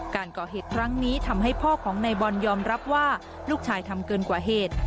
การก่อเหตุครั้งนี้ทำให้พ่อของนายบอลยอมรับว่าลูกชายทำเกินกว่าเหตุ